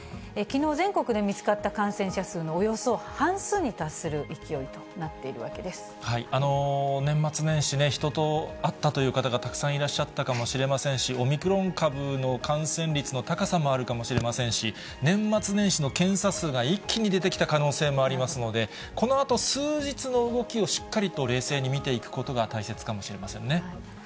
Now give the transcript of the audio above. きのう全国で見つかった感染者のおよそ半数に達する勢いとなって年末年始ね、人と会ったという方がたくさんいらっしゃったかもしれませんし、オミクロン株の感染率の高さもあるかもしれませんし、年末年始の検査数が一気に出てきた可能性もありますので、このあと数日の動きをしっかりと冷静に見ていくことが大切かもしれませんね。